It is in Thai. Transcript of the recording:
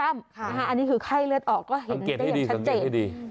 อันนี้คือไข้เลือดออกก็เห็นได้อย่างชัดเจน